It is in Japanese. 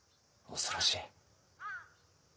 恐ろしい。